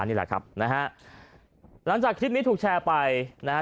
นี่แหละครับนะฮะหลังจากคลิปนี้ถูกแชร์ไปนะฮะ